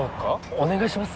お願いします